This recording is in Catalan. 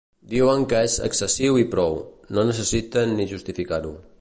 Diuen que és excessiu i prou, no necessiten ni justificar-ho.